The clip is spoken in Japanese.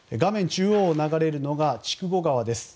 中央を流れるのが筑後川です。